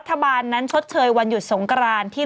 ดื่มน้ำก่อนสักนิดใช่ไหมคะคุณพี่